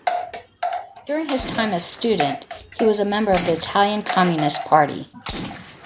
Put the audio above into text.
During his time as student, he was a member of the Italian Communist Party.